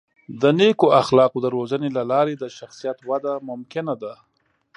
د نیکو اخلاقو د روزنې له لارې د شخصیت وده ممکنه ده.